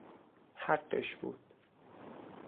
حقش بود!